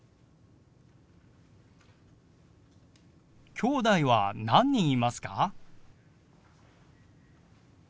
きょうだいは何人いますか？